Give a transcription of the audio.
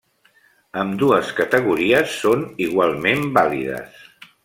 Ambdues categories són igualment vàlides.